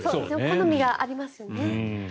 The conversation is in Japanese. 好みがありますよね。